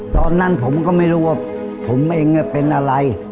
ตอนนั้นผมก็ไม่รู้ว่าผมเองเป็นอะไร